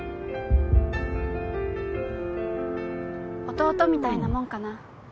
弟みたいなもんかな。